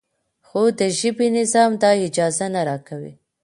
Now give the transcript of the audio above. خو د ژبې نظام دا اجازه نه راکوي.